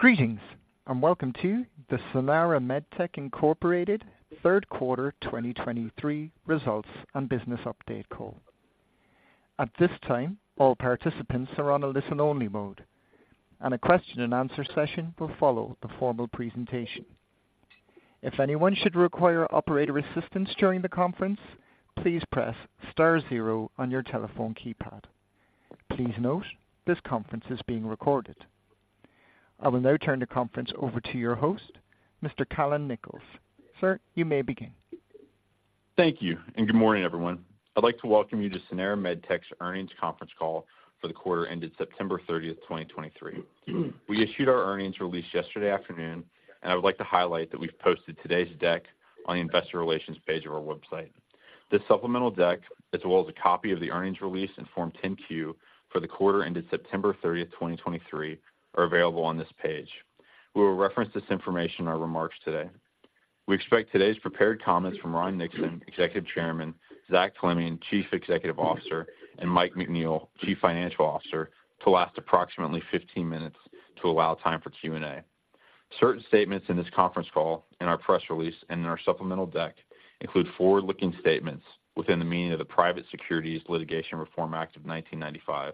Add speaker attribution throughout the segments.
Speaker 1: Greetings, and welcome to the Sanara MedTech Incorporated Q3 2023 results and business update call. At this time, all participants are on a listen-only mode, and a question-and-answer session will follow the formal presentation. If anyone should require operator assistance during the conference, please press star zero on your telephone keypad. Please note, this conference is being recorded. I will now turn the conference over to your host, Mr. Callon Nichols. Sir, you may begin.
Speaker 2: Thank you, and good morning, everyone. I'd like to welcome you to Sanara MedTech's earnings conference call for the quarter ended 30 September 2023. We issued our earnings release yesterday afternoon, and I would like to highlight that we've posted today's deck on the investor relations page of our website. This supplemental deck, as well as a copy of the earnings release and Form 10-Q for the quarter ended 30 September 2023, are available on this page. We will reference this information in our remarks today. We expect today's prepared comments from Ron Nixon, Executive Chairman, Zach Fleming, Chief Executive Officer, and Mike McNeil, Chief Financial Officer, to last approximately 15 minutes to allow time for Q&A. Certain statements in this conference call, in our press release, and in our supplemental deck include forward-looking statements within the meaning of the Private Securities Litigation Reform Act of 1995.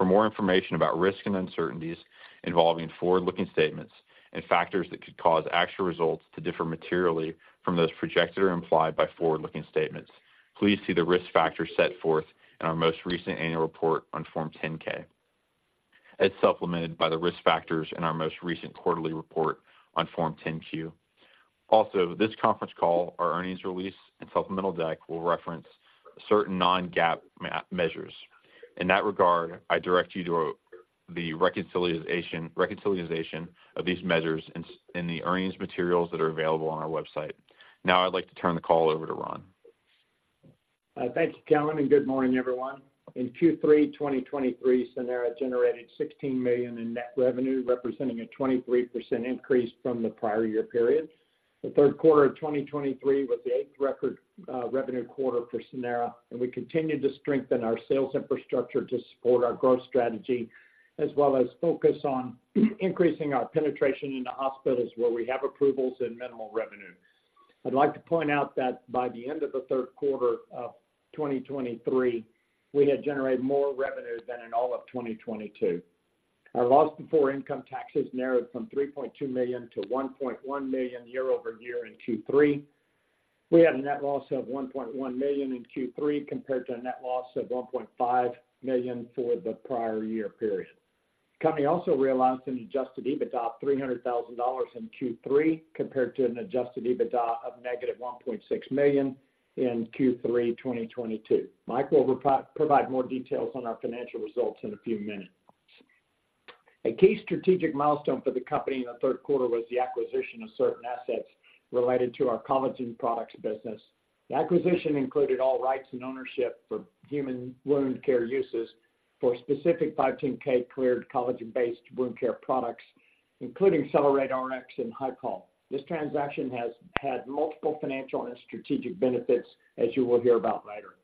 Speaker 2: For more information about risks and uncertainties involving forward-looking statements and factors that could cause actual results to differ materially from those projected or implied by forward-looking statements, please see the risk factors set forth in our most recent annual report on Form 10-K. As supplemented by the risk factors in our most recent quarterly report on Form 10-Q. Also, this conference call, our earnings release, and supplemental deck will reference certain non-GAAP measures. In that regard, I direct you to the reconciliation of these measures in the earnings materials that are available on our website. Now I'd like to turn the call over to Ron.
Speaker 3: Thank you, Callon, and good morning, everyone. In Q3 2023, Sanara generated $16 million in net revenue, representing a 23% increase from the prior year period. The Q3 of 2023 was the 8th record revenue quarter for Sanara, and we continued to strengthen our sales infrastructure to support our growth strategy, as well as focus on increasing our penetration into hospitals where we have approvals and minimal revenue. I'd like to point out that by the end of the Q3 of 2023, we had generated more revenue than in all of 2022. Our loss before income taxes narrowed from $3.2 million to $1.1 million year-over-year in Q3. We had a net loss of $1.1 million in Q3, compared to a net loss of $1.5 million for the prior year period. The company also realized an adjusted EBITDA of $300,000 in Q3, compared to an adjusted EBITDA of -$1.6 million in Q3 2022. Mike will provide more details on our financial results in a few minutes. A key strategic milestone for the company in the Q3 was the acquisition of certain assets related to our collagen products business. The acquisition included all rights and ownership for human wound care uses for specific 510(k) cleared collagen-based wound care products, including CellerateRX and HYCOL. This transaction has had multiple financial and strategic benefits, as you will hear about later.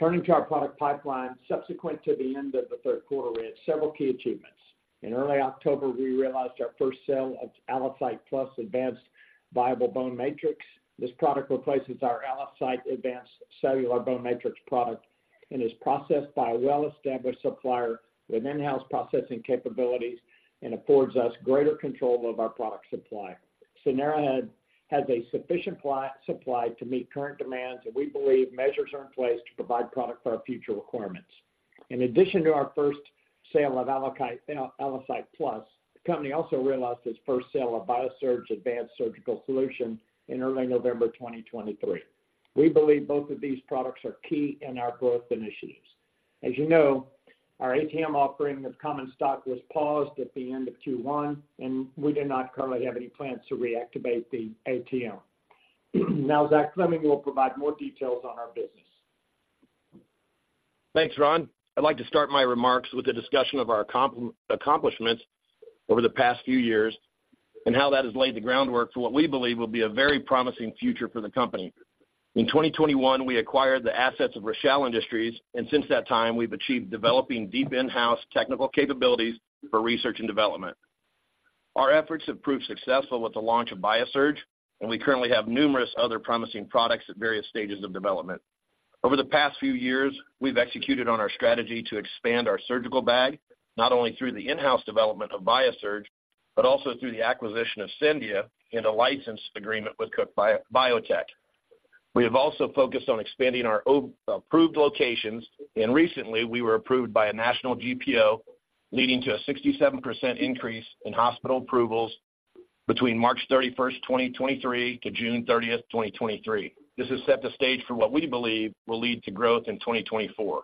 Speaker 3: Turning to our product pipeline, subsequent to the end of the Q3, we had several key achievements. In early October, we realized our first sale of ALLOCYTE Plus Advanced Viable Bone Matrix. This product replaces our ALLOCYTE Advanced Cellular Bone Matrix product and is processed by a well-established supplier with in-house processing capabilities and affords us greater control of our product supply. Sanara has a sufficient supply to meet current demands, and we believe measures are in place to provide product for our future requirements. In addition to our first sale of ALLOCYTE, ALLOCYTE Plus, the company also realized its first sale of BIASURGE Advanced Surgical Solution in early November 2023. We believe both of these products are key in our growth initiatives. As you know, our ATM offering of common stock was paused at the end of Q1, and we do not currently have any plans to reactivate the ATM. Now, Zach Fleming will provide more details on our business.
Speaker 4: Thanks, Ron. I'd like to start my remarks with a discussion of our accomplishments over the past few years and how that has laid the groundwork for what we believe will be a very promising future for the company. In 2021, we acquired the assets of Rochal Industries, and since that time, we've achieved developing deep in-house technical capabilities for research and development. Our efforts have proved successful with the launch of BIASURGE, and we currently have numerous other promising products at various stages of development. Over the past few years, we've executed on our strategy to expand our surgical bag, not only through the in-house development of BIASURGE, but also through the acquisition of Scendia and a license agreement with Cook Biotech. We have also focused on expanding our approved locations, and recently, we were approved by a national GPO, leading to a 67% increase in hospital approvals between 31 March 2023 to 30 June 2023. This has set the stage for what we believe will lead to growth in 2024.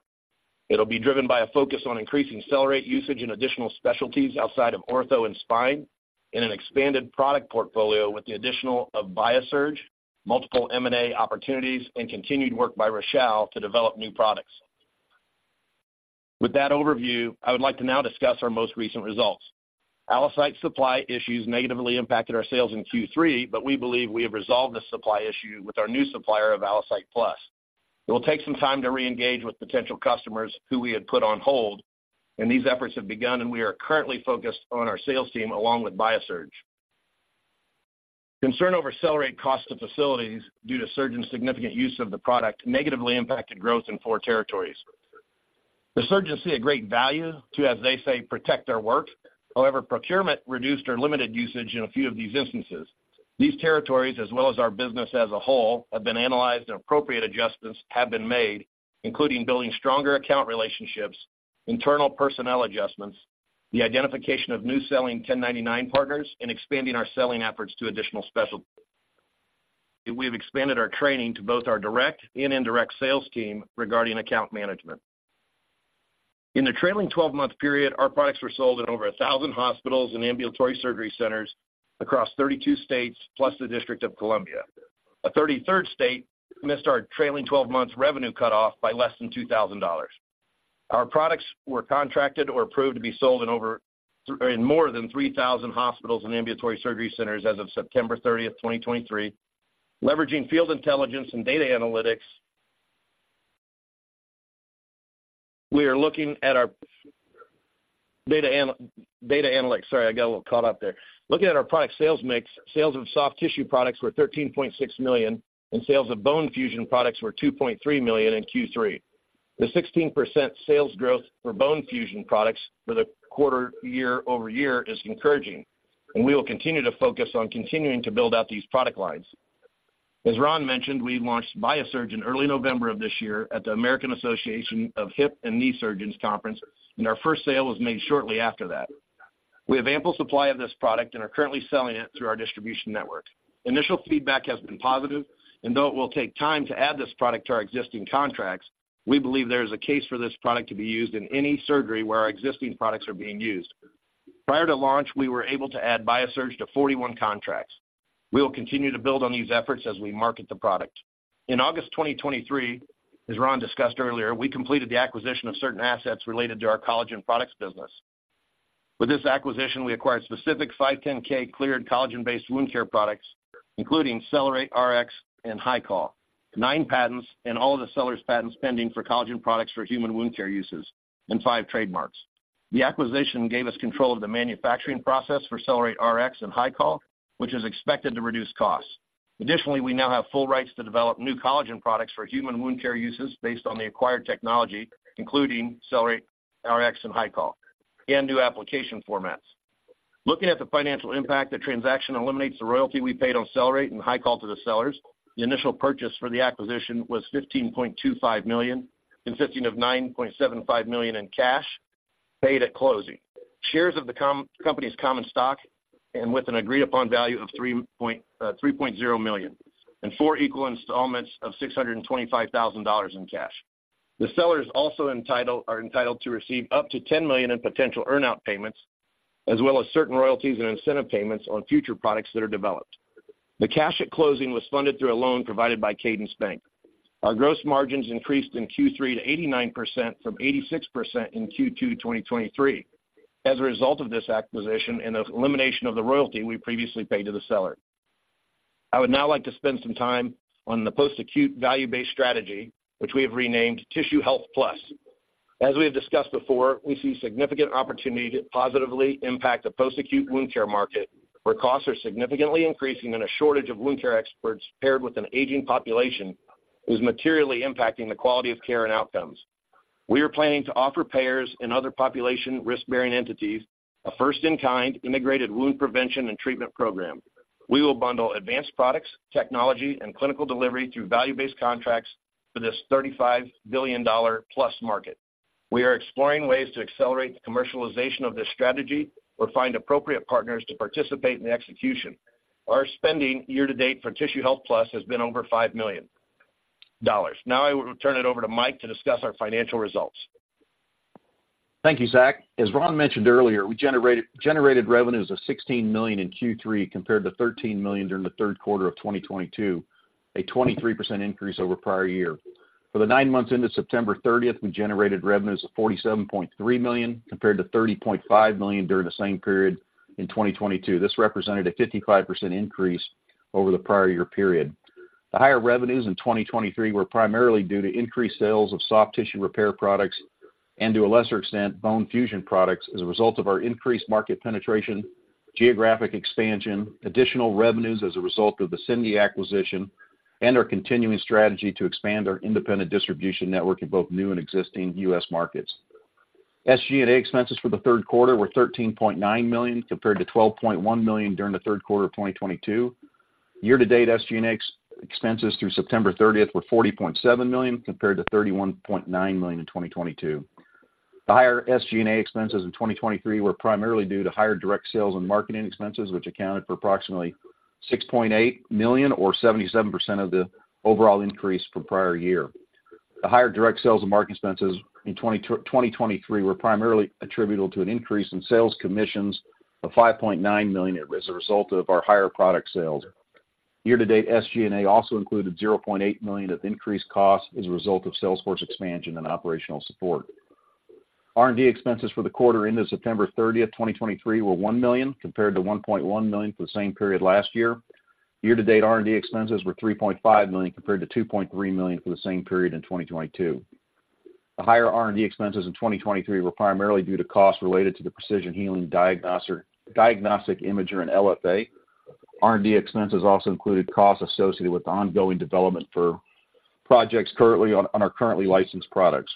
Speaker 4: It'll be driven by a focus on increasing Cellerate usage in additional specialties outside of ortho and spine, and an expanded product portfolio with the addition of BIASURGE, multiple M&A opportunities, and continued work by Rochal to develop new products. With that overview, I would like to now discuss our most recent results. ALLOCYTE supply issues negatively impacted our sales in Q3, but we believe we have resolved this supply issue with our new supplier of ALLOCYTE Plus.... It will take some time to reengage with potential customers who we had put on hold, and these efforts have begun, and we are currently focused on our sales team along with BIASURGE. Concern over CellerateRX cost to facilities due to surgeons' significant use of the product negatively impacted growth in four territories. The surgeons see a great value to, as they say, protect their work. However, procurement reduced or limited usage in a few of these instances. These territories, as well as our business as a whole, have been analyzed, and appropriate adjustments have been made, including building stronger account relationships, internal personnel adjustments, the identification of new selling 1099 partners, and expanding our selling efforts to additional specialties. We have expanded our training to both our direct and indirect sales team regarding account management. In the trailing 12 month period, our products were sold in over 1,000 hospitals and ambulatory surgery centers across 32 states, plus the District of Columbia. A 33rd state missed our trailing twelve months revenue cutoff by less than $2,000. Our products were contracted or approved to be sold in more than 3,000 hospitals and ambulatory surgery centers as of 30 September 2023. Leveraging field intelligence and data analytics, we are looking at our data and data analytics. Sorry, I got a little caught up there. Looking at our product sales mix, sales of soft tissue products were $13.6 million, and sales of bone fusion products were $2.3 million in Q3. The 16% sales growth for bone fusion products for the quarter year-over-year is encouraging, and we will continue to focus on continuing to build out these product lines. As Ron mentioned, we launched BIASURGE in early November of this year at the American Association of Hip and Knee Surgeons conference, and our first sale was made shortly after that. We have ample supply of this product and are currently selling it through our distribution network. Initial feedback has been positive, and though it will take time to add this product to our existing contracts, we believe there is a case for this product to be used in any surgery where our existing products are being used. Prior to launch, we were able to add BIASURGE to 41 contracts. We will continue to build on these efforts as we market the product. In August 2023, as Ron discussed earlier, we completed the acquisition of certain assets related to our collagen products business. With this acquisition, we acquired specific 510(k) cleared collagen-based wound care products, including CellerateRX and HYCOL, 9 patents, and all of the seller's patents pending for collagen products for human wound care uses and five trademarks. The acquisition gave us control of the manufacturing process for CellerateRX and HYCOL, which is expected to reduce costs. Additionally, we now have full rights to develop new collagen products for human wound care uses based on the acquired technology, including CellerateRX and HYCOL, and new application formats. Looking at the financial impact, the transaction eliminates the royalty we paid on CellerateRX and HYCOL to the sellers. The initial purchase for the acquisition was $15.25 million, consisting of $9.75 million in cash paid at closing, shares of the company's common stock with an agreed-upon value of $3.0 million, and four equal installments of $625,000 in cash. The sellers are entitled to receive up to $10 million in potential earn-out payments, as well as certain royalties and incentive payments on future products that are developed. The cash at closing was funded through a loan provided by Cadence Bank. Our gross margins increased in Q3 to 89% from 86% in Q2 2023, as a result of this acquisition and the elimination of the royalty we previously paid to the seller. I would now like to spend some time on the post-acute value-based strategy, which we have renamed Tissue Health Plus. As we have discussed before, we see significant opportunity to positively impact the post-acute wound care market, where costs are significantly increasing and a shortage of wound care experts, paired with an aging population, is materially impacting the quality of care and outcomes. We are planning to offer payers and other population risk-bearing entities a first-in-kind integrated wound prevention and treatment program. We will bundle advanced products, technology, and clinical delivery through value-based contracts for this $35 billion+ market. We are exploring ways to accelerate the commercialization of this strategy or find appropriate partners to participate in the execution. Our spending year to date for Tissue Health Plus has been over $5 million. Now I will turn it over to Mike to discuss our financial results.
Speaker 5: Thank you, Zach. As Ron mentioned earlier, we generated revenues of $16 million in Q3 compared to $13 million during the Q3 of 2022, a 23% increase over prior year. For the nine months into 30 September we generated revenues of $47.3 million, compared to $30.5 million during the same period in 2022. This represented a 55% increase over the prior year period. The higher revenues in 2023 were primarily due to increased sales of soft tissue repair products and, to a lesser extent, bone fusion products as a result of our increased market penetration, geographic expansion, additional revenues as a result of the Scendia acquisition, and our continuing strategy to expand our independent distribution network in both new and existing U.S. markets. SG&A expenses for the Q3 were $13.9 million, compared to $12.1 million during the Q3 of 2022. Year to date, SG&A expenses through 30 September were $40.7 million, compared to $31.9 million in 2022. The higher SG&A expenses in 2023 were primarily due to higher direct sales and marketing expenses, which accounted for approximately $6.8 million or 77% of the overall increase from prior year. The higher direct sales and marketing expenses in 2023 were primarily attributable to an increase in sales commissions of $5.9 million as a result of our higher product sales. Year to date, SG&A also included $0.8 million of increased costs as a result of salesforce expansion and operational support. R&D expenses for the quarter ended 30 September 2023 were $1 million, compared to $1.1 million for the same period last year. Year-to-date R&D expenses were $3.5 million, compared to $2.3 million for the same period in 2022. The higher R&D expenses in 2023 were primarily due to costs related to the Precision Healing Diagnostic Imager and LFA. R&D expenses also included costs associated with the ongoing development for projects currently on our currently licensed products.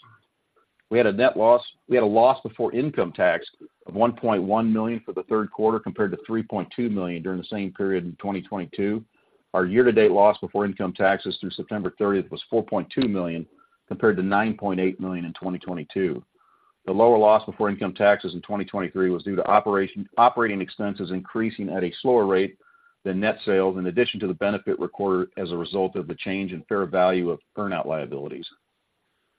Speaker 5: We had a loss before income tax of $1.1 million for the Q3, compared to $3.2 million during the same period in 2022. Our year-to-date loss before income taxes through 30 September was $4.2 million, compared to $9.8 million in 2022. The lower loss before income taxes in 2023 was due to operating expenses increasing at a slower rate than net sales, in addition to the benefit recorded as a result of the change in fair value of earn-out liabilities.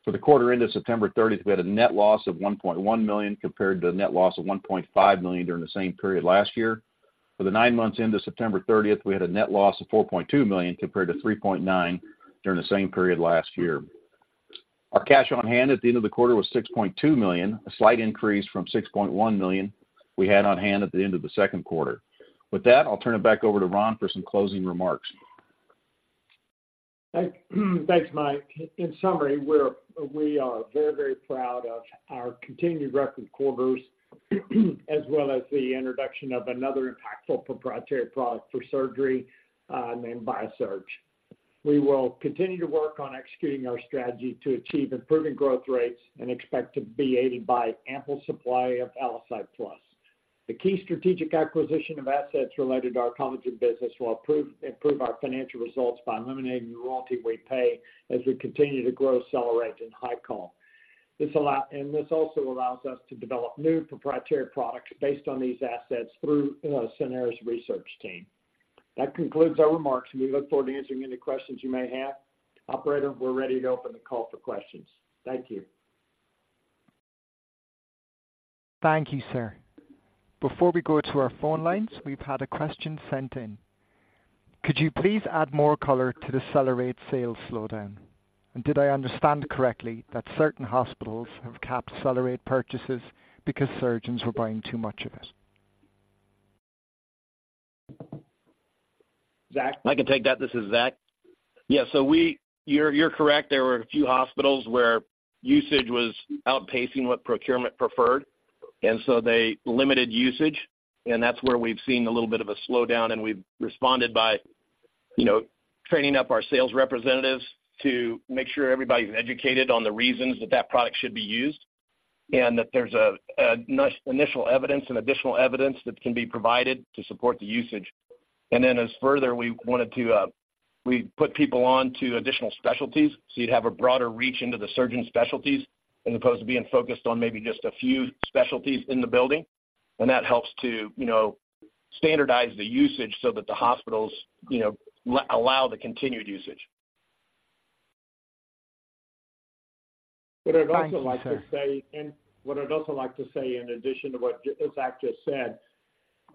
Speaker 5: For the quarter ended 30 September we had a net loss of $1.1 million, compared to a net loss of $1.5 million during the same period last year. For the nine months ended 30 September we had a net loss of $4.2 million, compared to $3.9 million during the same period last year. Our cash on hand at the end of the quarter was $6.2 million, a slight increase from $6.1 million we had on hand at the end of the Q2. With that, I'll turn it back over to Ron for some closing remarks.
Speaker 3: Thanks, Mike. In summary, we are very, very proud of our continued record quarters, as well as the introduction of another impactful proprietary product for surgery named BIASURGE. We will continue to work on executing our strategy to achieve improving growth rates and expect to be aided by ample supply of ALLOCYTE Plus. The key strategic acquisition of assets related to our collagen business will improve our financial results by eliminating the royalty we pay as we continue to grow CellerateRX and HYCOL. And this also allows us to develop new proprietary products based on these assets through Sanara's research team. That concludes our remarks, and we look forward to answering any questions you may have. Operator, we're ready to open the call for questions. Thank you.
Speaker 1: Thank you, sir. Before we go to our phone lines, we've had a question sent in. Could you please add more color to the CellerateRX sales slowdown? And did I understand correctly that certain hospitals have capped CellerateRX purchases because surgeons were buying too much of it?
Speaker 3: Zach?
Speaker 4: I can take that. This is Zach. Yeah, You're, you're correct. There were a few hospitals where usage was outpacing what procurement preferred, and so they limited usage. And that's where we've seen a little bit of a slowdown, and we've responded by, you know, training up our sales representatives to make sure everybody's educated on the reasons that, that product should be used, and that there's an initial evidence and additional evidence that can be provided to support the usage. Then as further, we wanted to, we put people on to additional specialties, so you'd have a broader reach into the surgeon specialties, as opposed to being focused on maybe just a few specialties in the building. And that helps to, you know, standardize the usage so that the hospitals, you know, allow the continued usage.
Speaker 1: Thank you, sir.
Speaker 3: What I'd also like to say, and what I'd also like to say, in addition to what, as Zach just said,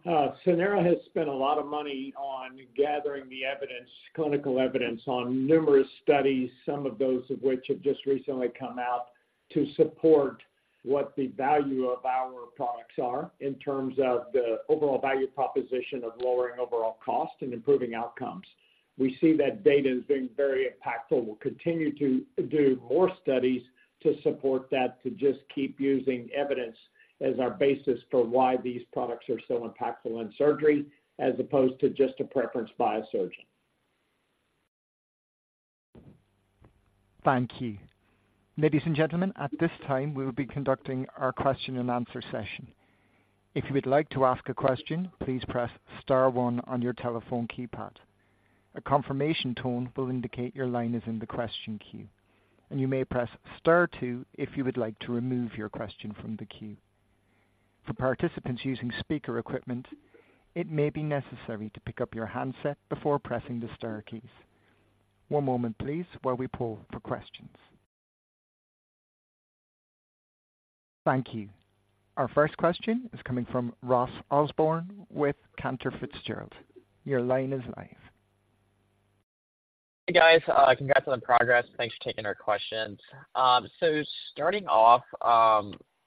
Speaker 3: Sanara has spent a lot of money on gathering the evidence, clinical evidence on numerous studies, some of those of which have just recently come out, to support what the value of our products are in terms of the overall value proposition of lowering overall cost and improving outcomes. We see that data as being very impactful. We'll continue to do more studies to support that, to just keep using evidence as our basis for why these products are so impactful in surgery, as opposed to just a preference by a surgeon.
Speaker 1: Thank you. Ladies and gentlemen, at this time, we will be conducting our question-and-answer session. If you would like to ask a question, please press star one on your telephone keypad. A confirmation tone will indicate your line is in the question queue, and you may press star two if you would like to remove your question from the queue. For participants using speaker equipment, it may be necessary to pick up your handset before pressing the star keys. One moment, please, while we pull for questions. Thank you. Our first question is coming from Ross Osborne with Cantor Fitzgerald. Your line is live.
Speaker 6: Hey, guys, congrats on the progress. Thanks for taking our questions. Starting off,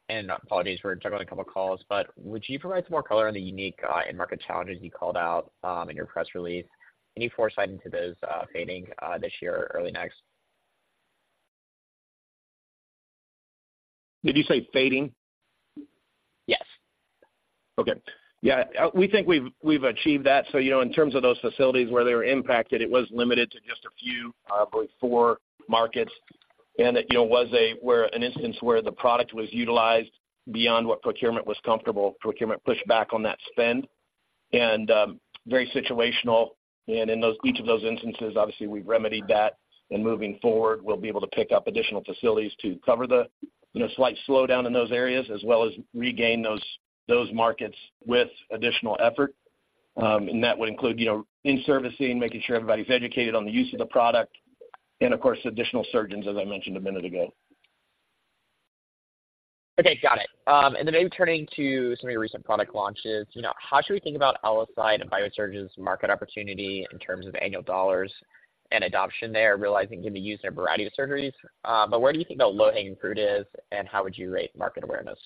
Speaker 6: and apologies, we're juggling a couple of calls, but would you provide some more color on the unique end-market challenges you called out in your press release? Any foresight into those fading this year or early next?
Speaker 5: Did you say fading?
Speaker 6: Yes.
Speaker 5: Okay. Yeah, we think we've achieved that so, you know, in terms of those facilities where they were impacted, it was limited to just a few, I believe four markets. And it, you know, was a, where an instance where the product was utilized beyond what procurement was comfortable, procurement pushed back on that spend. Very situational, and in those, each of those instances, obviously, we've remedied that. And moving forward, we'll be able to pick up additional facilities to cover the, you know, slight slowdown in those areas, as well as regain those markets with additional effort. And that would include, you know, in-servicing, making sure everybody's educated on the use of the product, and of course, additional surgeons, as I mentioned a minute ago.
Speaker 6: Okay, got it. And then maybe turning to some of your recent product launches. You know, how should we think about ALLOCYTE and BIASURGE's market opportunity in terms of annual dollars and adoption there, realizing it can be used in a variety of surgeries? But where do you think the low-hanging fruit is, and how would you rate market awareness?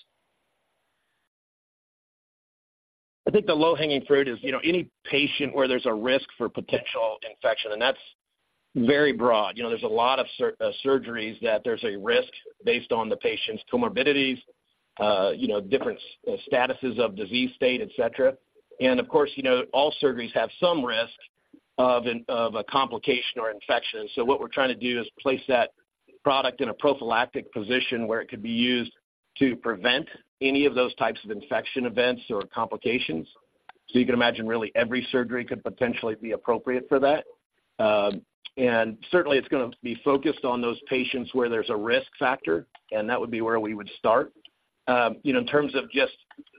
Speaker 4: I think the low-hanging fruit is, you know, any patient where there's a risk for potential infection, and that's very broad you know, there's a lot of surgeries that there's a risk based on the patient's comorbidities, you know, different statuses of disease state, et cetera. And of course, you know, all surgeries have some risk of a complication or infection so what we're trying to do is place that product in a prophylactic position where it could be used to prevent any of those types of infection events or complications. You can imagine really every surgery could potentially be appropriate for that. Certainly, it's gonna be focused on those patients where there's a risk factor, and that would be where we would start. You know, in terms of just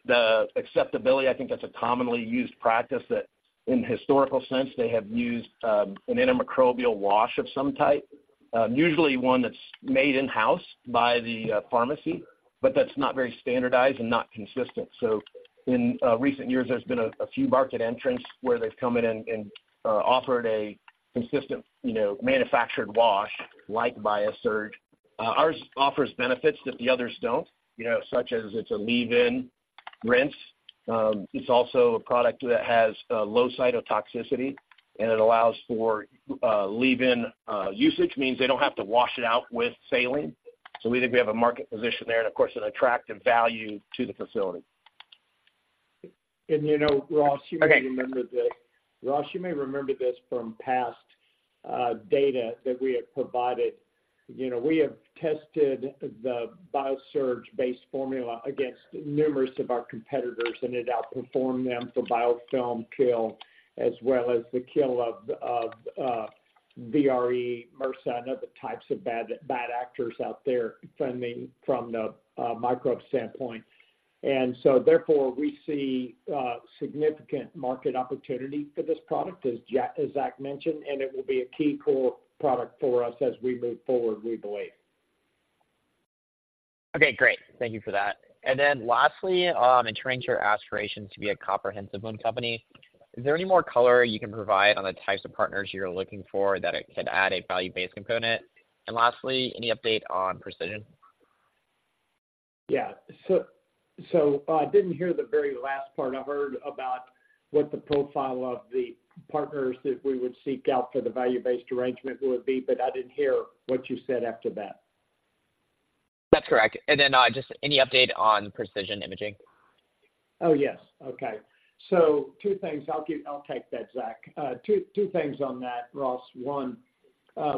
Speaker 4: the acceptability, I think that's a commonly used practice that, in historical sense, they have used an antimicrobial wash of some type, usually one that's made in-house by the pharmacy, but that's not very standardized and not consistent. In recent years, there's been a few market entrants where they've come in and offered a consistent, you know, manufactured wash, like BIASURGE. Ours offers benefits that the others don't, you know, such as it's a leave-in rinse. It's also a product that has a low cytotoxicity, and it allows for leave-in usage, means they don't have to wash it out with saline. So we think we have a market position there and, of course, an attractive value to the facility.
Speaker 3: You know, Ross-
Speaker 6: Okay.
Speaker 3: You may remember this. Ross, you may remember this from past data that we have provided. You know, we have tested the BIASURGE-based formula against numerous of our competitors, and it outperformed them for biofilm kill, as well as the kill of VRE, MRSA, and other types of bad, bad actors out there from the microbe standpoint. Therefore, we see significant market opportunity for this product, as Zach mentioned, and it will be a key core product for us as we move forward, we believe.
Speaker 6: Okay, great. Thank you for that. And then lastly, in terms of your aspirations to be a comprehensive wound company, is there any more color you can provide on the types of partners you're looking for, that it could add a value-based component? And lastly, any update on Precision?
Speaker 3: Yeah. I didn't hear the very last part i heard about what the profile of the partners that we would seek out for the value-based arrangement would be, but I didn't hear what you said after that.
Speaker 6: That's correct. And then, just any update on Precision Imaging?
Speaker 3: Oh, yes. Okay. Two things. I'll give-- I'll take that, Zach. Two, two things on that, Ross. One,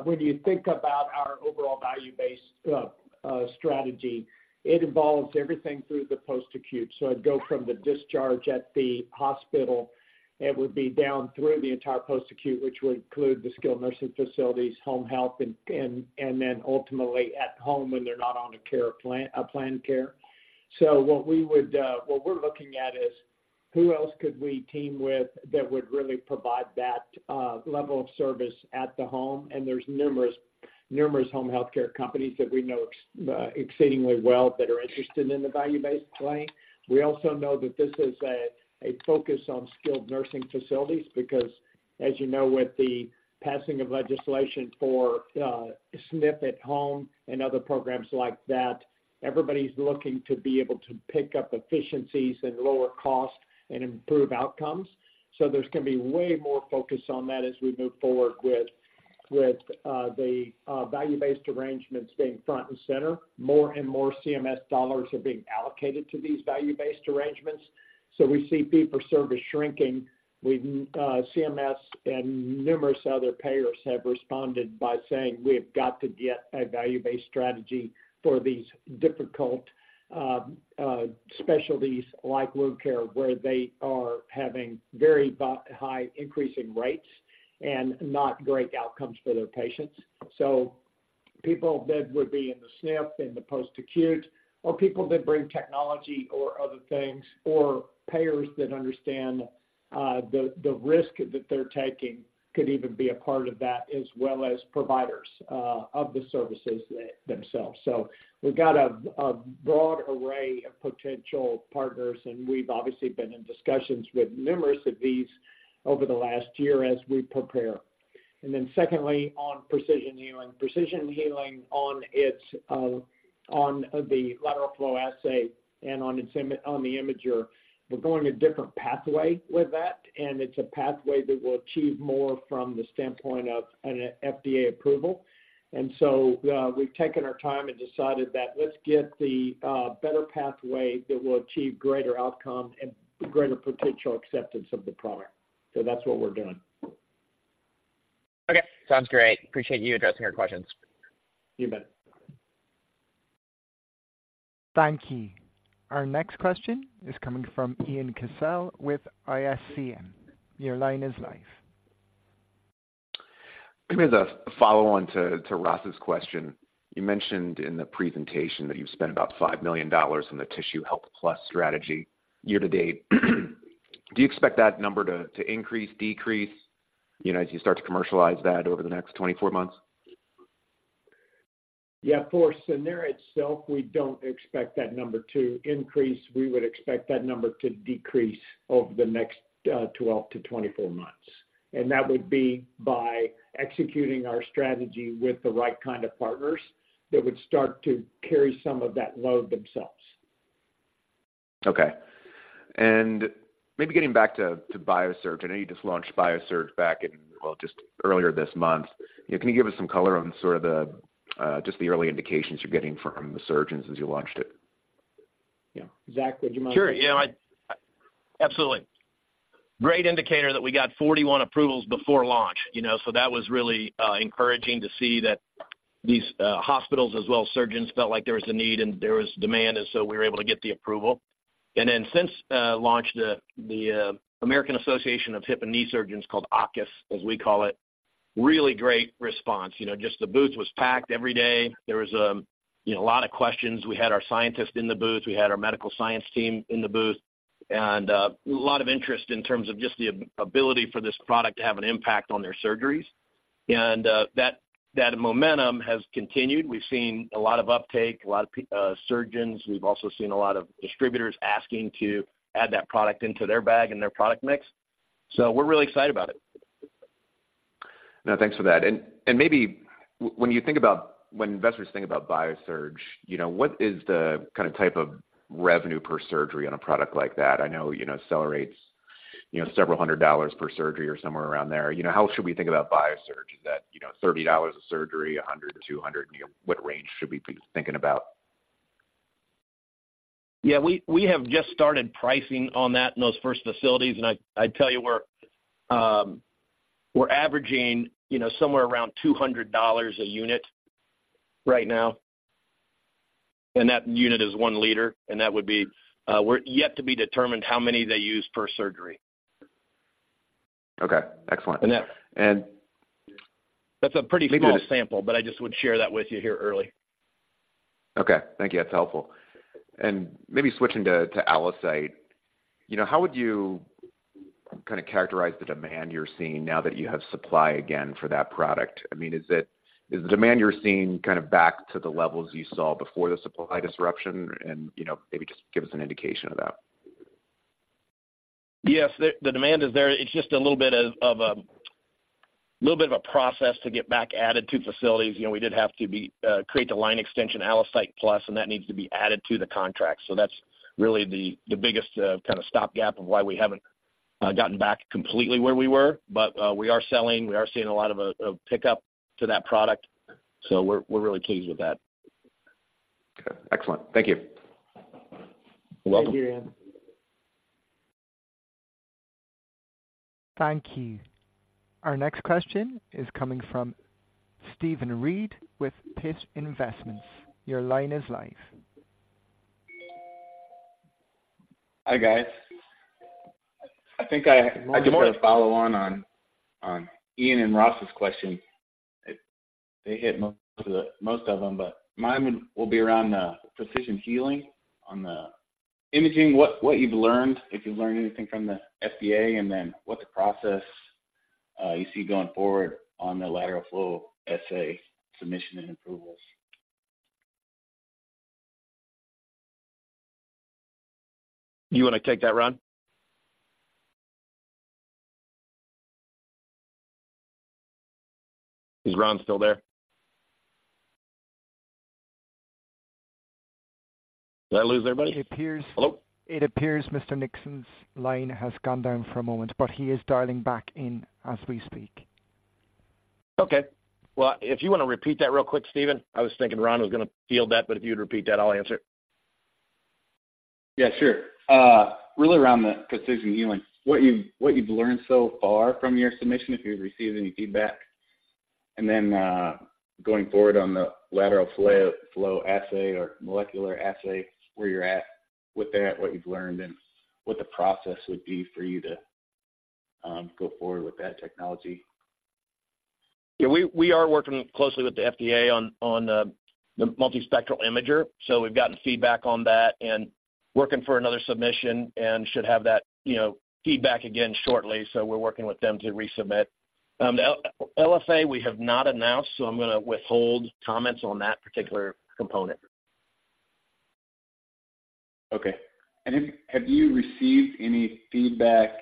Speaker 3: when you think about our overall value-based strategy, it involves everything through the post-acute so it'd go from the discharge at the hospital, it would be down through the entire post-acute, which would include the skilled nursing facilities, home health, and, and, and then ultimately at home, when they're not on a care plan-- a planned care. What we would, what we're looking at is, who else could we team with that would really provide that level of service at the home? And there's numerous, numerous home healthcare companies that we know exceedingly well, that are interested in the value-based play. We also know that this is a focus on skilled nursing facilities, because as you know, with the passing of legislation for SNF at home and other programs like that, everybody's looking to be able to pick up efficiencies and lower costs and improve outcomes. So there's gonna be way more focus on that as we move forward with the value-based arrangements staying front and center. More and more CMS dollars are being allocated to these value-based arrangements, so we see fee-for-service shrinking. CMS and numerous other payers have responded by saying, "We've got to get a value-based strategy for these difficult specialties like wound care, where they are having very high increasing rates and not great outcomes for their patients." People that would be in the SNF, in the post-acute, or people that bring technology or other things, or payers that understand the risk that they're taking, could even be a part of that, as well as providers of the services themselves. We've got a broad array of potential partners, and we've obviously been in discussions with numerous of these over the last year as we prepare. And then secondly, on Precision Healing. Precision Healing on its lateral flow assay and on its imager, we're going a different pathway with that, and it's a pathway that will achieve more from the standpoint of an FDA approval. We've taken our time and decided that let's get the better pathway that will achieve greater outcomes and greater potential acceptance of the product. So that's what we're doing.
Speaker 6: Okay, sounds great. Appreciate you addressing our questions.
Speaker 3: You bet.
Speaker 1: Thank you. Our next question is coming from Ian Cassel with IFCM your line is live.
Speaker 7: Maybe as a follow-on to, to Ross's question. You mentioned in the presentation that you've spent about $5 million on the Tissue Health Plus strategy year to date. Do you expect that number to, to increase, decrease, you know, as you start to commercialize that over the next 24 months?
Speaker 3: Yeah, for Sanara itself, we don't expect that number to increase. We would expect that number to decrease over the next 12-24 months, and that would be by executing our strategy with the right kind of partners that would start to carry some of that load themselves.
Speaker 7: Okay. Maybe getting back to BIASURGE. I know you just launched BIASURGE back in, well, just earlier this month. Can you give us some color on sort of the just the early indications you're getting from the surgeons as you launched it?
Speaker 3: Yeah. Zach, would you mind?
Speaker 4: Sure, you know, absolutely. Great indicator that we got 41 approvals before launch, you know, so that was really encouraging to see that these hospitals as well as surgeons felt like there was a need and there was demand, and so we were able to get the approval. And then since launch, the American Association of Hip and Knee Surgeons, called AAHKS, as we call it, really great response you know, just the booth was packed every day. There was a lot of questions we had our scientists in the booth. We had our medical science team in the booth. A lot of interest in terms of just the ability for this product to have an impact on their surgeries. That momentum has continued. We've seen a lot of uptake, a lot of surgeons. We've also seen a lot of distributors asking to add that product into their bag and their product mix. So we're really excited about it.
Speaker 7: Now, thanks for that. And maybe when investors think about BIASURGE, you know, what is the kind of type of revenue per surgery on a product like that? I know, you know, CellerateRX's, you know, several hundred dollars per surgery or somewhere around there. You know, how should we think about BIASURGE? Is that, you know, $30 a surgery, $100, $200? You know, what range should we be thinking about?
Speaker 4: Yeah, we have just started pricing on that in those first facilities, and I'd tell you we're averaging, you know, somewhere around $200 a unit right now. And that unit is 1 liter, and that would be, we're yet to be determined how many they use per surgery.
Speaker 7: Okay, excellent.
Speaker 4: That's a pretty small sample, but I just would share that with you here early.
Speaker 7: Okay, thank you. That's helpful. Maybe switching to, to ALLOCYTE. You know, how would you kind of characterize the demand you're seeing now that you have supply again for that product? I mean, is it, is the demand you're seeing kind of back to the levels you saw before the supply disruption? And, you know, maybe just give us an indication of that.
Speaker 4: Yes, the demand is there. It's just a little bit of a process to get back added to facilities you know, we did have to create the line extension, ALLOCYTE Plus, and that needs to be added to the contract so that's really the biggest kind of stopgap of why we haven't gotten back completely where we were. But, we are selling, we are seeing a lot of a pickup to that product, so we're really pleased with that.
Speaker 7: Okay, excellent. Thank you.
Speaker 4: You're welcome.
Speaker 3: Thank you, Ian.
Speaker 1: Thank you. Our next question is coming from Stephen Reid with Pitch Investments. Your line is live.
Speaker 8: Hi, guys. I think I-
Speaker 1: Go ahead.
Speaker 8: I just want to follow on Ian and Ross's question. They hit most of them, but mine will be around the Precision Healing on the imaging what you've learned, if you've learned anything from the FDA, and then what the process you see going forward on the lateral flow assay submission and approvals?
Speaker 4: You want to take that, Ron? Is Ron still there? Did I lose everybody?
Speaker 1: It appears-
Speaker 4: Hello?
Speaker 1: It appears Mr. Nixon's line has gone down for a moment, but he is dialing back in as we speak.
Speaker 4: Okay. Well, if you want to repeat that real quick, Stephen. I was thinking Ron was gonna field that, but if you'd repeat that, I'll answer it.
Speaker 9: Yeah, sure. Really around the Precision Healing, what you've, what you've learned so far from your submission, if you've received any feedback. Then, going forward on the lateral flow assay or molecular assay, where you're at with that, what you've learned, and what the process would be for you to go forward with that technology.
Speaker 4: Yeah, we are working closely with the FDA on the multispectral imager. So we've gotten feedback on that and working for another submission and should have that, you know, feedback again shortly so we're working with them to resubmit. The LFA, we have not announced, so I'm going to withhold comments on that particular component.
Speaker 9: Okay. Have you received any feedback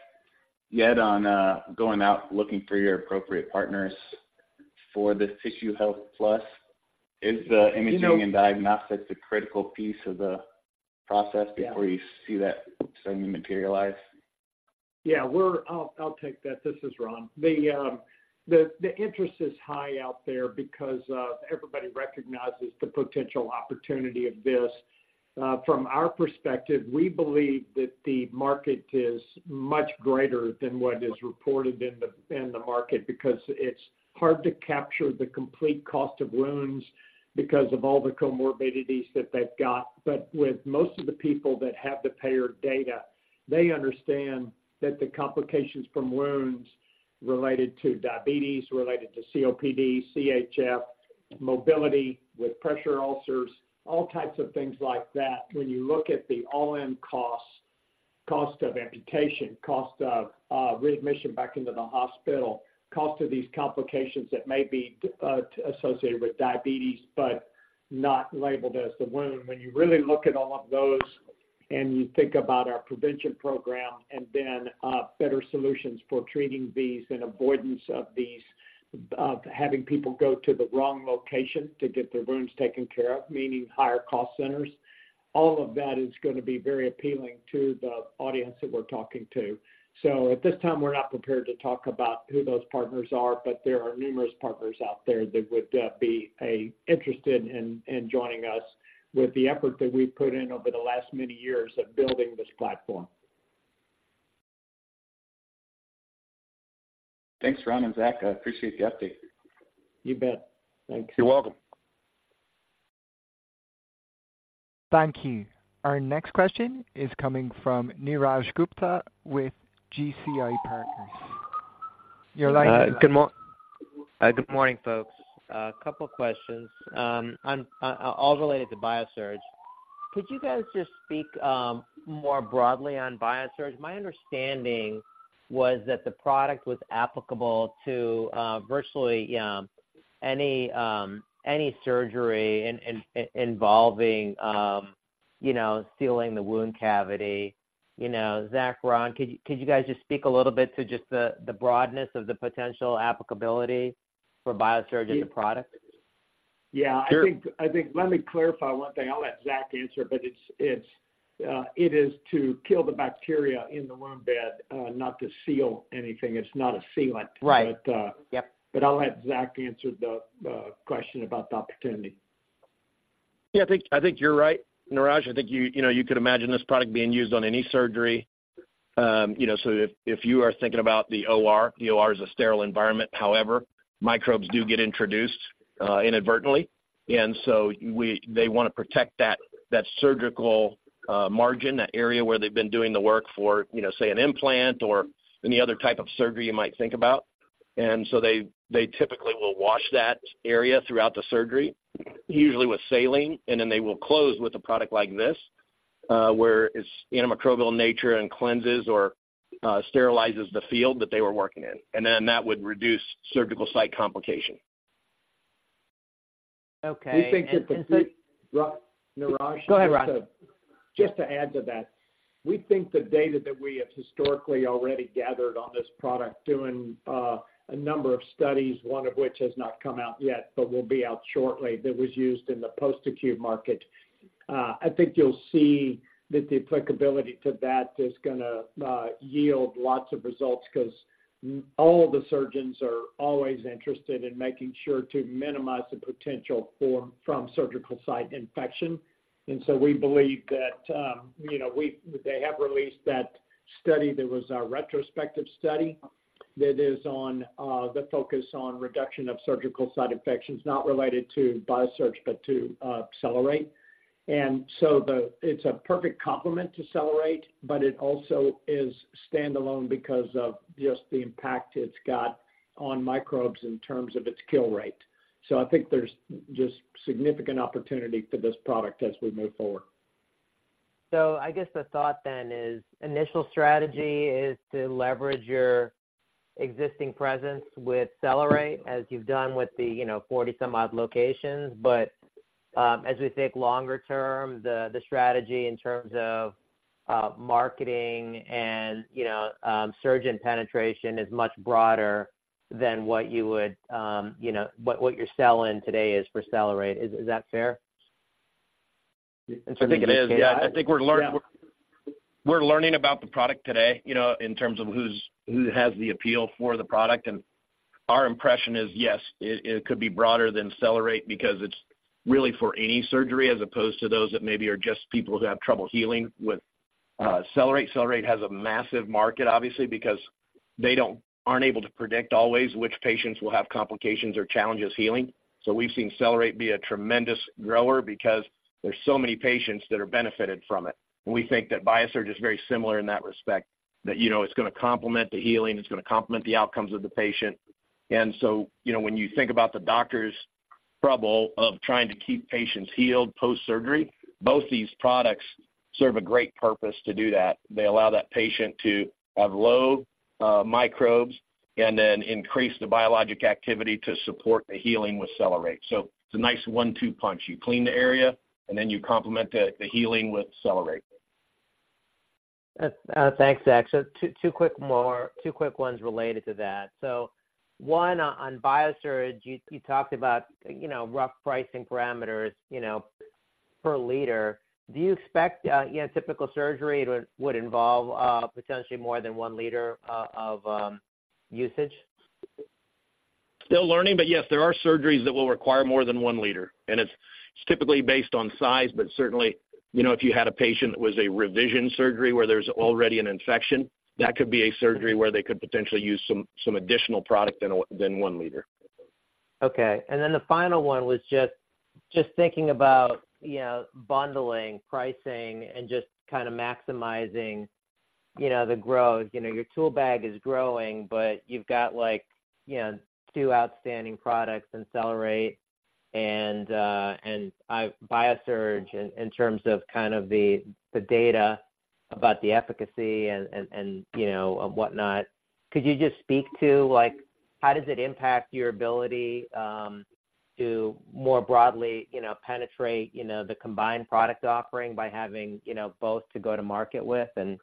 Speaker 9: yet on going out, looking for your appropriate partners for the Tissue Health Plus? Is the imaging-
Speaker 3: You know-
Speaker 8: and diagnostics a critical piece of the process.
Speaker 3: Yeah
Speaker 8: before you see that study materialize?
Speaker 3: Yeah, we're—I'll take that. This is Ron. The interest is high out there because everybody recognizes the potential opportunity of this. From our perspective, we believe that the market is much greater than what is reported in the market, because it's hard to capture the complete cost of wounds because of all the comorbidities that they've got but with most of the people that have the payer data. They understand that the complications from wounds related to diabetes, related to COPD, CHF, mobility with pressure ulcers, all types of things like that when you look at the all-in costs, cost of amputation, cost of readmission back into the hospital, cost of these complications that may be associated with diabetes, but not labeled as the wound when you really look at all of those... You think about our prevention program and then, better solutions for treating these and avoidance of these, of having people go to the wrong location to get their wounds taken care of, meaning higher cost centers. All of that is gonna be very appealing to the audience that we're talking to. At this time, we're not prepared to talk about who those partners are, but there are numerous partners out there that would be interested in joining us with the effort that we've put in over the last many years of building this platform.
Speaker 8: Thanks, Ron and Zach. I appreciate the update.
Speaker 3: You bet. Thanks.
Speaker 4: You're welcome.
Speaker 1: Thank you. Our next question is coming from Niraj Gupta with GCI Partners. Your line-
Speaker 10: Good morning, folks. Couple questions, all related to BIASURGE. Could you guys just speak more broadly on BIASURGE? My understanding was that the product was applicable to virtually any surgery involving you know, sealing the wound cavity. You know, Zach, Ron, could you guys just speak a little bit to the broadness of the potential applicability for BIASURGE as a product?
Speaker 3: Yeah.
Speaker 4: Sure.
Speaker 3: I think let me clarify one thing i'll let Zach answer, but it's, it is to kill the bacteria in the wound bed, not to seal anything. It's not a sealant.
Speaker 10: Right.
Speaker 3: But, uh...
Speaker 10: Yep.
Speaker 3: But I'll have Zach answer the question about the opportunity.
Speaker 4: Yeah, I think, I think you're right, Niraj. I think you, you know, you could imagine this product being used on any surgery. You know, so if, if you are thinking about the OR, the OR is a sterile environment however, microbes do get introduced, inadvertently, and they wanna protect that, that surgical, margin, that area where they've been doing the work for, you know, say, an implant or any other type of surgery you might think about. They typically will wash that area throughout the surgery, usually with saline, and then they will close with a product like this, where its antimicrobial nature and cleanses or, sterilizes the field that they were working in. And then that would reduce surgical site complication.
Speaker 3: Just to add to that, we think the data that we have historically already gathered on this product doing a number of studies, one of which has not come out yet, but will be out shortly, that was used in the post-acute market. I think you'll see that the applicability to that is gonna yield lots of results 'cause all the surgeons are always interested in making sure to minimize the potential for from surgical site infection. And we believe that, you know, they have released that study there was a retrospective study that is on the focus on reduction of surgical site infections, not related to BIASURGE, but to Cellerate. It's a perfect complement to Cellerate, but it also is standalone because of just the impact it's got on microbes in terms of its kill rate. I think there's just significant opportunity for this product as we move forward.
Speaker 10: I guess the thought then is, initial strategy is to leverage your existing presence with Cellerate, as you've done with the, you know, 40-some-odd locations. As we think longer term, the strategy in terms of, marketing and, you know, surgeon penetration is much broader than what you would, you know, what you're selling today is for Cellerate. Is that fair?
Speaker 4: I think it is.
Speaker 3: Yeah.
Speaker 4: I think we're learn-
Speaker 3: Yeah.
Speaker 4: We're learning about the product today, you know, in terms of who has the appeal for the product, and our impression is, yes, it could be broader than Cellerate because it's really for any surgery, as opposed to those that maybe are just people who have trouble healing with Cellerate. Cellerate has a massive market, obviously, because they aren't able to predict always which patients will have complications or challenges healing. We've seen Cellerate be a tremendous grower because there's so many patients that are benefited from it. We think that BIASURGE is very similar in that respect, that, you know, it's gonna complement the healing, it's gonna complement the outcomes of the patient. You know, when you think about the doctor's trouble of trying to keep patients healed post-surgery, both these products serve a great purpose to do that. They allow that patient to have low, microbes and then increase the biologic activity to support the healing with Cellerate. It's a nice one-two punch you clean the area, and then you complement the healing with Cellerate.
Speaker 10: Thanks, Zach. Two quick ones related to that. One, on BIASURGE, you talked about, you know, rough pricing parameters, you know, per liter. Do you expect, you know, typical surgery would involve potentially more than one liter of usage?
Speaker 4: Still learning, but yes, there are surgeries that will require more than 1 liter, and it's typically based on size, but certainly, you know, if you had a patient that was a revision surgery, where there's already an infection, that could be a surgery where they could potentially use some additional product than 1 liter.
Speaker 10: Okay. And then the final one was just, just thinking about, you know, bundling, pricing, and just kind of maximizing, you know, the growth you know, your tool bag is growing, but you've got, like, you know, two outstanding products in Cellerate and and BIASURGE in terms of kind of the data about the efficacy and and and you know, and whatnot. Could you just speak to, like, how does it impact your ability to more broadly, you know, penetrate, you know, the combined product offering by having, you know, both to go to market with? And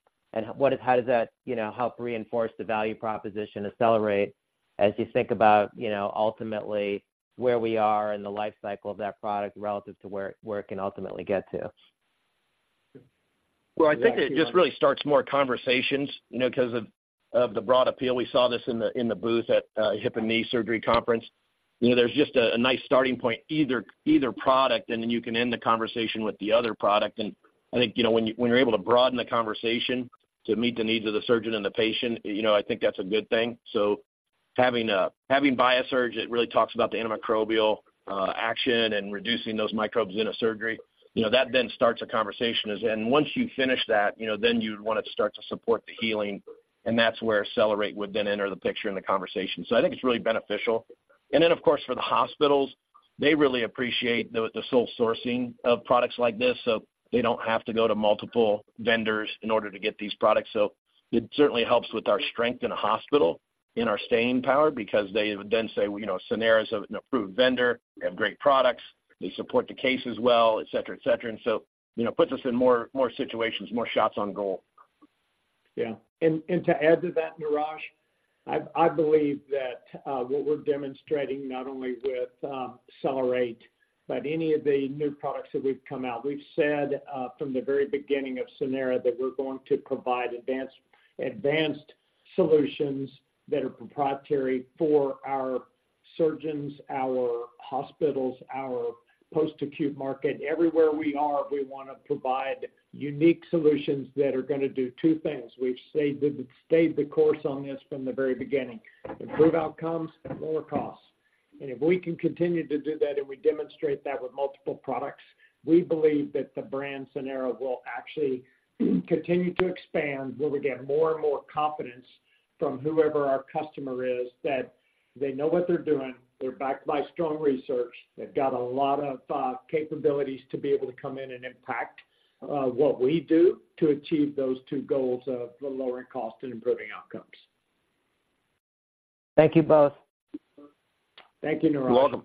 Speaker 10: what, how does that, you know, help reinforce the value proposition Cellerate as you think about, you know, ultimately where we are in the life cycle of that product relative to where it can ultimately get to?
Speaker 4: Well, I think it just really starts more conversations, you know, because of the broad appeal we saw this in the booth at the Hip and Knee Surgery Conference. You know, there's just a nice starting point, either product, and then you can end the conversation with the other product. And I think, you know, when you're able to broaden the conversation to meet the needs of the surgeon and the patient, you know, I think that's a good thing. Having BIASURGE, it really talks about the antimicrobial action and reducing those microbes in a surgery. You know, that then starts a conversation and once you finish that, you know, then you'd want to start to support the healing, and that's where CellerateRX would then enter the picture in the conversation so I think it's really beneficial. Then, of course, for the hospitals, they really appreciate the sole sourcing of products like this, so they don't have to go to multiple vendors in order to get these products. It certainly helps with our strength in a hospital, in our staying power, because they would then say, you know, Sanara is an approved vendor. They have great products. They support the cases well, et cetera, et cetera and so, you know, puts us in more situations, more shots on goal.
Speaker 3: Yeah. And, and to add to that, Niraj, I, I believe that, what we're demonstrating, not only with, Accelerate, but any of the new products that we've come out, we've said, from the very beginning of Sanara that we're going to provide advanced, advanced solutions that are proprietary for our surgeons, our hospitals, our post-acute market everywhere we are, we wanna provide unique solutions that are gonna do two things we've stayed the, stayed the course on this from the very beginning: improve outcomes and lower costs. And if we can continue to do that, and we demonstrate that with multiple products, we believe that the brand Sanara will actually continue to expand, where we get more and more confidence from whoever our customer is, that they know what they're doing, they're backed by strong research. They've got a lot of capabilities to be able to come in and impact what we do to achieve those two goals of lowering cost and improving outcomes.
Speaker 10: Thank you both.
Speaker 3: Thank you, Niraj.
Speaker 4: You're welcome.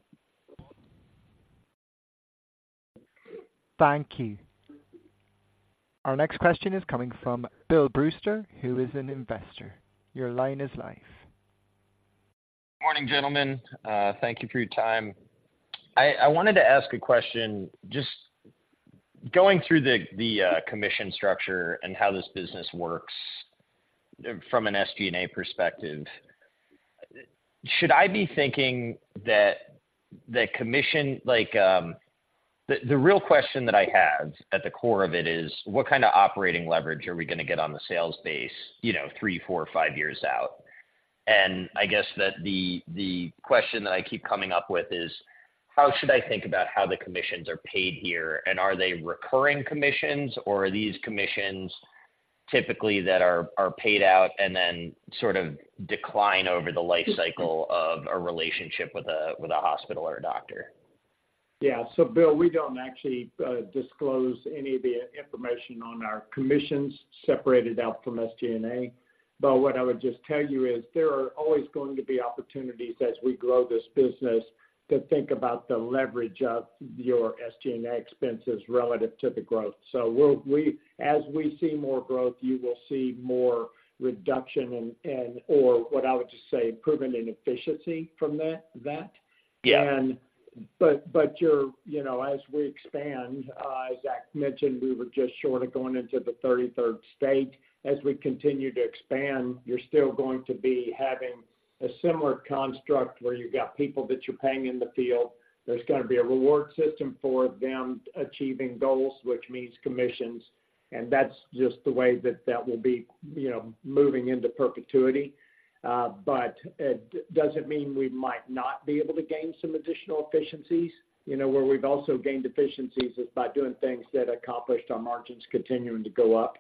Speaker 1: Thank you. Our next question is coming from Bill Brewster, who is an investor. Your line is live.
Speaker 11: Morning, gentlemen. Thank you for your time. I wanted to ask a question. Just going through the commission structure and how this business works from an SG&A perspective, should I be thinking that the commission... The real question that I have at the core of it is, what kind of operating leverage are we gonna get on the sales base, you know, three four, five years out? I guess that the question that I keep coming up with is, how should I think about how the commissions are paid here? And are they recurring commissions, or are these commissions typically that are paid out and then sort of decline over the life cycle of a relationship with a hospital or a doctor?
Speaker 3: Yeah. Bill, we don't actually disclose any of the information on our commissions separated out from SG&A. But what I would just tell you is there are always going to be opportunities as we grow this business, to think about the leverage of your SG&A expenses relative to the growth. So we'll, we, as we see more growth, you will see more reduction and, and or what I would just say, improvement in efficiency from that, that.
Speaker 11: Yeah.
Speaker 3: But you're, you know, as we expand, as Zach mentioned, we were just short of going into the 33rd state. As we continue to expand, you're still going to be having a similar construct where you've got people that you're paying in the field. There's gonna be a reward system for them achieving goals, which means commissions, and that's just the way that that will be, you know, moving into perpetuity. It doesn't mean we might not be able to gain some additional efficiencies. You know, where we've also gained efficiencies is by doing things that accomplished our margins continuing to go up,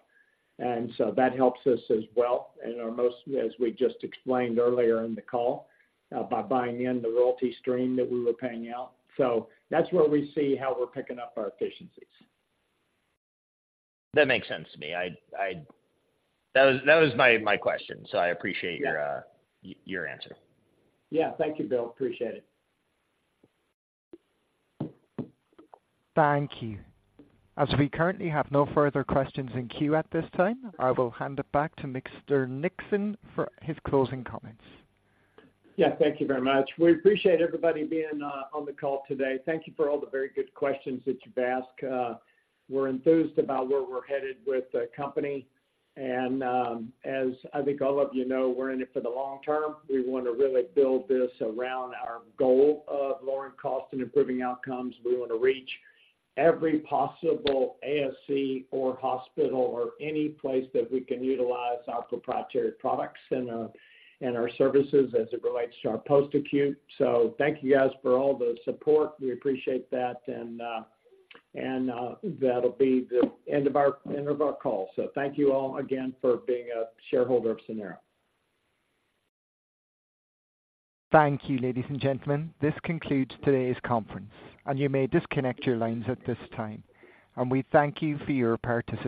Speaker 3: and so that helps us as well, and our most, as we just explained earlier in the call, by buying in the royalty stream that we were paying out. That's where we see how we're picking up our efficiencies.
Speaker 11: That makes sense to me. That was my question, so I appreciate-
Speaker 3: Yeah.
Speaker 11: - your, your answer.
Speaker 3: Yeah. Thank you, Bill. Appreciate it.
Speaker 1: Thank you. As we currently have no further questions in queue at this time, I will hand it back to Mr. Nixon for his closing comments.
Speaker 3: Yeah, thank you very much. We appreciate everybody being on the call today. Thank you for all the very good questions that you've asked. We're enthused about where we're headed with the company, and as I think all of you know, we're in it for the long term. We want to really build this around our goal of lowering cost and improving outcomes we want to reach every possible ASC or hospital or any place that we can utilize our proprietary products and our services as it relates to our post-acute. Tthank you, guys, for all the support. We appreciate that, and that'll be the end of our call. So thank you all again for being a shareholder of Sanara.
Speaker 1: Thank you, ladies and gentlemen. This concludes today's conference, and you may disconnect your lines at this time, and we thank you for your participation.